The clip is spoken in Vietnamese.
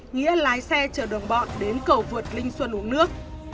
nghĩa lái xe chở đồng bọn đến cầu vượt linh xuân uống nước